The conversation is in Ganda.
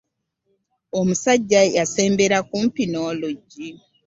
Omusajja yasembera kumpi n'oluggi.